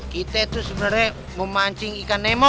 kita tuh sebenarnya mau mancing ikan nemo